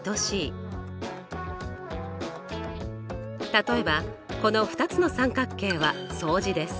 例えばこの２つの三角形は相似です。